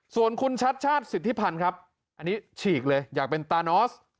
ส่วนคุณชัดชาติสิทธิพันธ์ครับอันนี้ฉีกเลยอยากเป็นตานอส